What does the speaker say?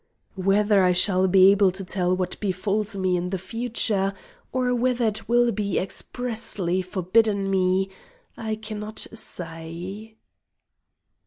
Whether I shall be able to tell what befalls me in future, or whether it will be expressly forbidden me, I cannot say.